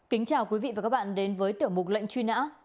kính chào quý vị và các bạn đến với tiểu mục lệnh truy nã